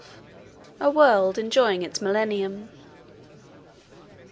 A World Enjoying Its Millennium.